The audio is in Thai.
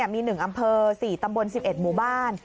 มี๑อำเภอ๔ตำบล๑๑หมู่บ้าน